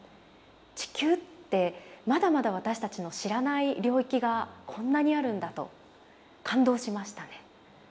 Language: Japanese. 地球ってまだまだ私たちの知らない領域がこんなにあるんだと感動しましたね。